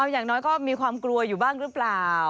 อย่างน้อยก็มีความกลัวอยู่บ้างหรือเปล่า